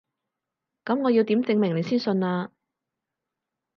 噉我要點證明你先信啊？